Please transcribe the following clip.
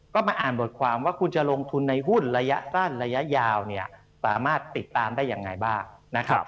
ก็มาอ่านบทความว่าคุณจะลงทุนในหุ้นระยะสั้นระยะยาวสามารถติดตามได้อย่างไรบ้าง